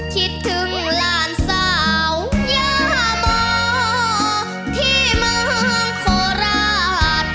คิดถึงหลานสาวยาบอที่มังโขราด